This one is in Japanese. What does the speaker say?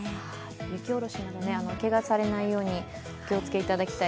雪下ろしなど、けがされないようにお気をつけていただきたい